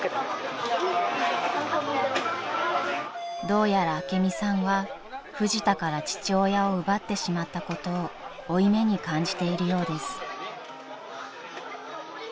［どうやら朱美さんはフジタから父親を奪ってしまったことを負い目に感じているようです］